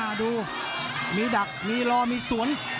ดูมีดักมีรอมีสวน